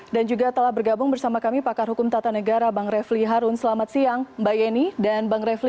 dan juga telah bergabung bersama kami pakar hukum tata negara bang refli harun selamat siang mbak yeni dan bang refli